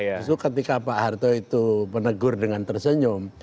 justru ketika pak harto itu menegur dengan tersenyum